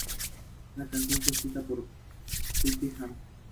Rhythm" que incluía nuevas versiones de sus viejas canciones de la era "Jail Bait".